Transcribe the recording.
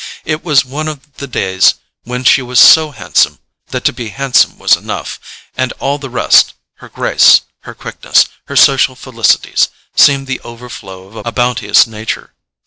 It was one of the days when she was so handsome that to be handsome was enough, and all the rest—her grace, her quickness, her social felicities—seemed the overflow of a bounteous nature.